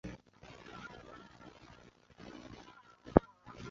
并且也很可能会是宇宙射线就常常引发的一种自然现象。